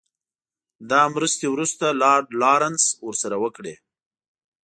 دا مرستې وروسته لارډ لارنس ورسره وکړې.